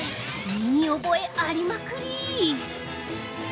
身に覚え、ありまくり。